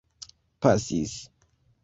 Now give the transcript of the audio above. pasis